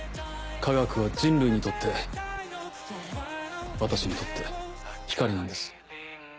科学は人類にとって私にとって光なんです。